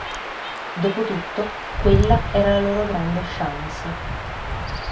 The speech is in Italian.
Dopotutto, quella era la loro grande chance.